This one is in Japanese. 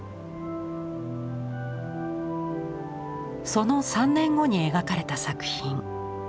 その３年後に描かれた作品。